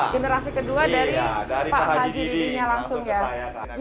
generasi kedua dari pak haji ini langsung ya